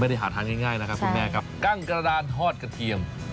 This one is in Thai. ได้หาทานง่ายนะครับคุณแม่ครับกั้งกระดานทอดกระเทียม